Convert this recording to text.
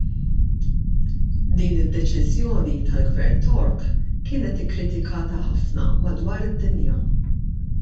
Din id-deċiżjoni tal-Gvern Tork kienet ikkritikata ħafna madwar id-Dinja.